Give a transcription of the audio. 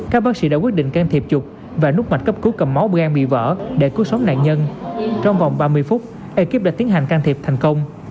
các bác sĩ đã quyết định can thiệp chụp và nút mạch cấp cứu cầm máu bữa ăn bị vỡ để cứu sống nạn nhân trong vòng ba mươi phút ekip đã tiến hành can thiệp thành công